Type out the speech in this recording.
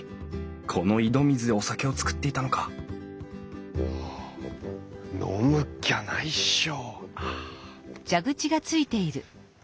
この井戸水でお酒を造っていたのか飲むっきゃないっしょ！